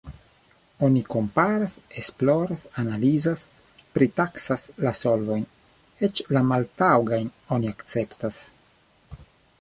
Oni komparas, esploras, analizas, pritaksas la solvojn, eĉ la maltaŭgajn oni akceptas.